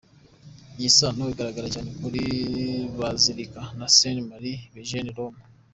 Iyi sano igaragara cyane kuri Bazilika ya Sainte-Marie-Majeure i Roma.